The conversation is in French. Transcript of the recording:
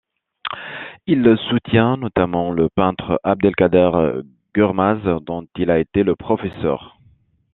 Il soutient notamment le peintre Abdelkader Guermaz dont il a été le professeur.